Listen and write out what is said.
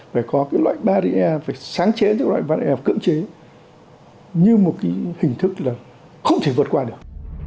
phải có cái loại barrier phải sáng chế những loại văn em cưỡng chế như một cái hình thức là không thể vượt qua được